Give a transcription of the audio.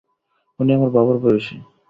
উনি আমার বাবার বয়সী।